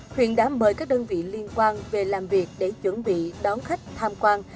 huyện đã mời các đơn vị liên quan về làm việc để chuẩn bị đón khách tham quan